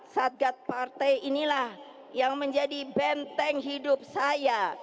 satgas partai inilah yang menjadi benteng hidup saya